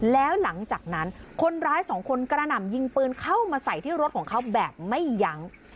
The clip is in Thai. แล้วหลังจากนั้นคนร้ายสองคนกระหน่ำยิงปืนเข้ามาใส่ที่รถของเขาแบบไม่ยั้ง